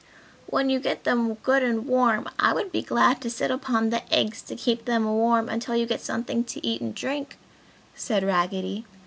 "When you get them good and warm, I would be glad to sit upon the eggs to keep them warm until you get something to eat and drink!" said Raggedy.